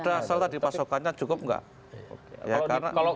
ada salah di pasokannya cukup gak